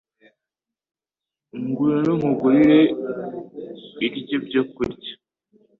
ngiwno nkugurire iiryo byo kurya